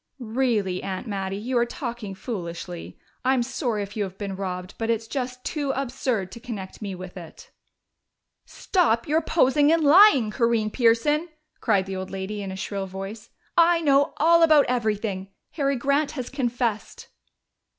"Really, Aunt Mattie, you are talking foolishly. I'm sorry if you have been robbed, but it's just too absurd to connect me with it." "Stop your posing and lying, Corinne Pearson!" cried the old lady in a shrill voice. "I know all about everything. Harry Grant has confessed."